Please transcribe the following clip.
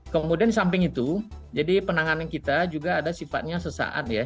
kemudian di samping itu jadi penanganan kita juga ada sifatnya sesaat ya